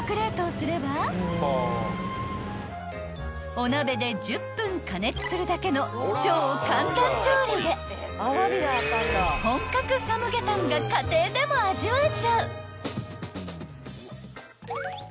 ［お鍋で１０分加熱するだけの超簡単調理で本格参鶏湯が家庭でも味わえちゃう］